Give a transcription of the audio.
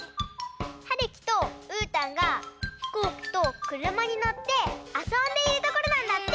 はるきとうーたんがひこうきとくるまにのってあそんでいるところなんだって。